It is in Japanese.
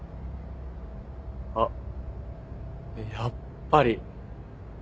あっやっぱり。